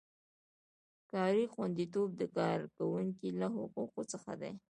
کاري خوندیتوب د کارکوونکي له حقونو څخه دی.